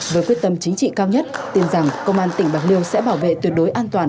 với quyết tâm chính trị cao nhất tin rằng công an tỉnh bạc liêu sẽ bảo vệ tuyệt đối an toàn